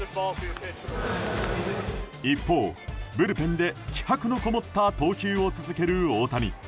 一方、ブルペンで気迫のこもった投球を続ける大谷。